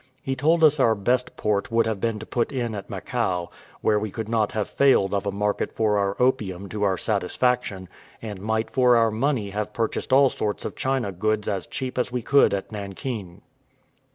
He told us our best port would have been to put in at Macao, where we could not have failed of a market for our opium to our satisfaction, and might for our money have purchased all sorts of China goods as cheap as we could at Nankin.